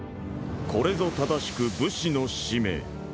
これぞ正しく武士の使命